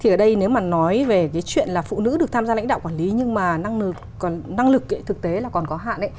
ở đây nếu nói về chuyện phụ nữ được tham gia lãnh đạo quản lý nhưng năng lực thực tế còn có hạn